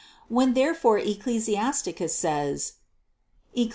When therefore Ecclesiasticus says (Eccli.